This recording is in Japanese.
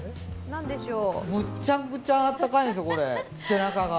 むちゃくちゃ暖かいんですよ、背中が。